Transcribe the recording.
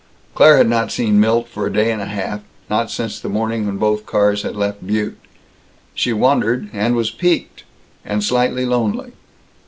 Claire had not seen Milt for a day and a half; not since the morning when both cars had left Butte. She wondered, and was piqued, and slightly lonely.